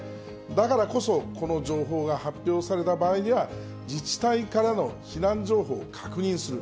だからこそ、この情報が発表された場合には、自治体からの避難情報を確認する。